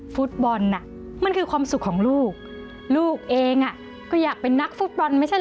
ฟุตบอลน่ะมันคือความสุขของลูกลูกเองอ่ะก็อยากเป็นนักฟุตบอลไม่ใช่เหรอ